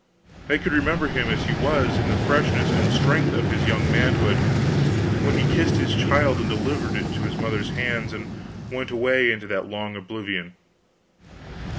They could remember him as he was in the freshness and strength of his young manhood, when he kissed his child and delivered it to its mother's hands and went away into that long oblivion.